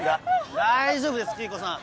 大丈夫です黄以子さん。